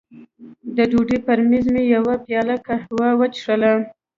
د ډوډۍ پر مېز مې یوه پیاله قهوه وڅښله.